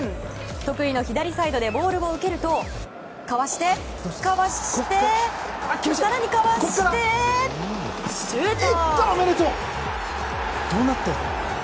得意の左サイドでボールを受けるとかわして、かわして更にかわして、シュート。